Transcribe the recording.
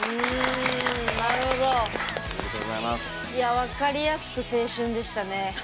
分かりやすく青春でしたね。